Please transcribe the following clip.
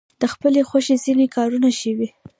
د خپلې خوښې ځینې کارونه شوي.